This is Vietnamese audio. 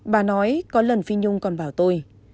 bà nói có lần phi nhung còn bảo tôi